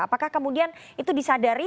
apakah kemudian itu disadari